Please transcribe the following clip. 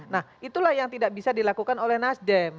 nah itulah yang tidak bisa dilakukan oleh nasdem